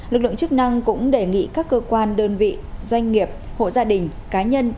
lực lượng chức năng cũng đề nghị các cơ quan đơn vị doanh nghiệp hộ gia đình cá nhân